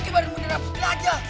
dia bilang lebih european sekarang